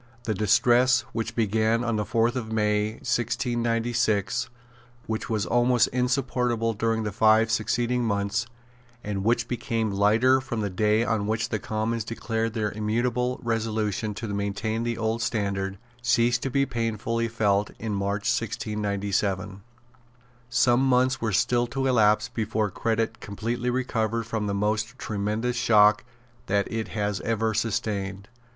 The distress which began on the fourth of May 1696, which was almost insupportable during the five succeeding months, and which became lighter from the day on which the Commons declared their immutable resolution to maintain the old standard, ceased to be painfully felt in March 1697. Some months were still to elapse before credit completely recovered from the most tremendous shock that it has ever sustained.